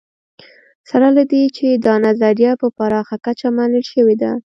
سره له دې چې دا نظریه په پراخه کچه منل شوې ده